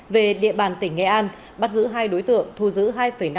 về địa bàn tỉnh nghệ an bắt giữ hai đối tượng thu giữ hai năm